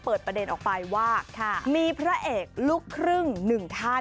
เปิดประเด็นออกไปว่ามีพระเอกลูกครึ่งหนึ่งท่าน